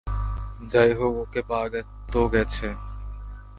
যাইহোক, ওকে পাওয়া তো গেছে।